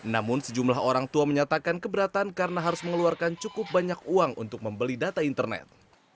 namun sejumlah orang tua menyatakan keberatan karena harus mengeluarkan cukup banyak uang untuk membeli data internet